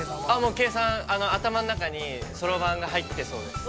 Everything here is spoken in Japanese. ◆計算、頭の中にそろばんが入ってそうです。